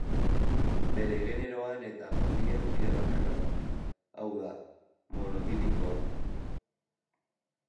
Bere generoan eta familian kide bakarra da, hau da, monotipikoa.